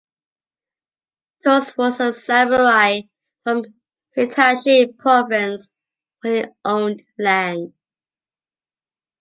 Tose was a samurai from Hitachi province where he owned land.